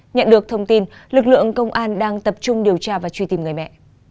nhận được thông tin lực lượng công an đang tập trung điều tra và truy tìm người mẹ